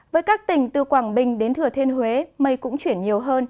với các tỉnh từ quảng bình đến thừa thiên huế mây cũng chuyển nhiều hơn